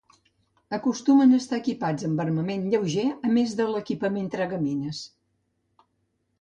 Acostumen a estar equipats amb armament lleuger a més de l'equipament dragamines.